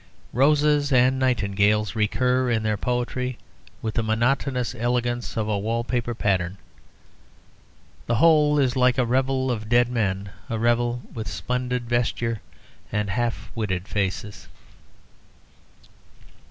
Roses and nightingales recur in their poetry with the monotonous elegance of a wall paper pattern. The whole is like a revel of dead men, a revel with splendid vesture and half witted faces.